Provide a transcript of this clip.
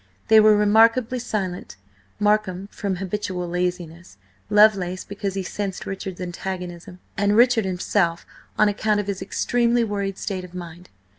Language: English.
They were remarkably silent: Markham from habitual laziness, Lovelace because he sensed Richard's antagonism, and Richard himself on account of his extremely worried state of mind.